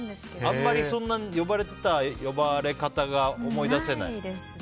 あんまりそんな呼ばれてた呼ばれ方がないですね。